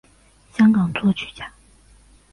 香港作曲家。